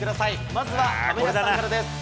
まずは亀梨さんからです。